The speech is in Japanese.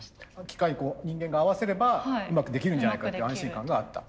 機械人間が合わせればうまくできるんじゃないかっていう安心感があった。